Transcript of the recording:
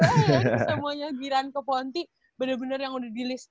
semuanya giliran ke ponti bener bener yang udah di list